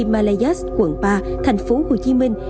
của himalayas quận ba thành phố hồ chí minh